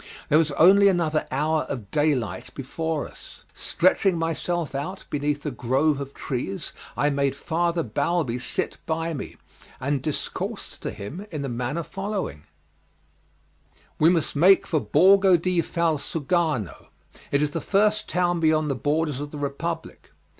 There was only another hour of day light before us. Stretching myself out beneath a grove of trees I made Father Balbi sit by me, and discoursed to him in the manner following: "We must make for Borgo di Valsugano, it is the first town beyond the borders of the Republic.